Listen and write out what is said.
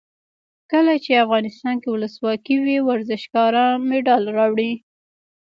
کله چې افغانستان کې ولسواکي وي ورزشکاران مډال راوړي.